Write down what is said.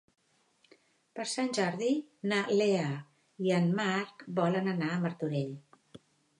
Per Sant Jordi na Lea i en Marc volen anar a Martorell.